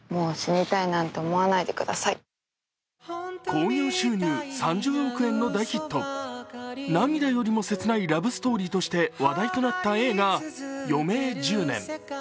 興行収入３０億円の大ヒット涙よりも切ないラブストーリーとして話題になった映画、「余命１０年」。